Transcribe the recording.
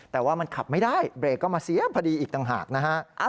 แต่ว่ามันขับไม่ได้เบรกก็มาเสียพอดีอีกต่างหากนะฮะ